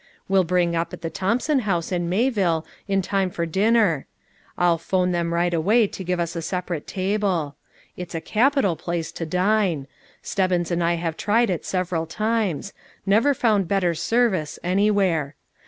We'll bring up at the Thompson House in Mayville in time for dinner; I'll 'phone them right away to give us a separate table. It's a capital place to dine; Stebbins and I have tried it several times; never found better service anywhere.